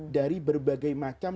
dari berbagai macam